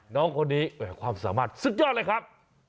น้องคนนี้ความสามารถสุดยอดเลยครับ